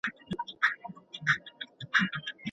چيري د زده کړي او پرمختګ لپاره ډېر فرصتونه شتون لري؟